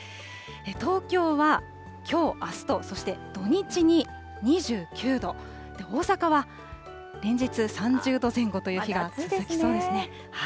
東京はきょう、あすと、そして土日に２９度、大阪は連日３０度前後という日が続きそうですね。